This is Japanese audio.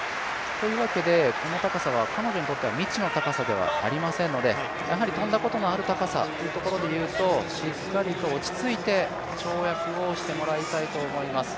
というわけで、この高さは彼女にとっては未知の高さではありませんのでやはり跳んだことのある高さというところでいうとしっかり落ち着いて、跳躍をしてももらいたいと思います